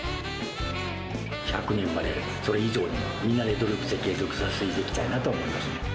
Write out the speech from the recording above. １００年まで、それ以上に、みんなで努力して継続させていきたいなと思いますね。